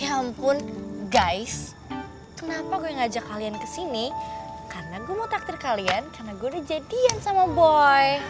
ham pun guys kenapa gue ngajak kalian kesini karena gue mau takdir kalian karena gue udah jadian sama boy